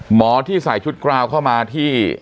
หมอที่ใส่ชุดกราวเข้ามาที่